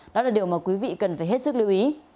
đó là điều mà quý vị cần phải hết sức lưu ý